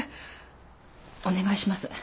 お願いします。